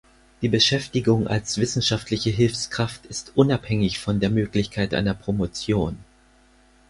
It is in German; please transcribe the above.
Die Beschäftigung als wissenschaftliche Hilfskraft ist unabhängig von der Möglichkeit einer Promotion.